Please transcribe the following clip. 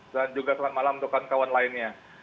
dan juga selamat malam untuk kawan kawan lainnya